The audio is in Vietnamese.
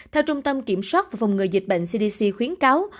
theo trung tâm kiểm soát và phòng ngừa dịch bệnh cdc khuyến cáo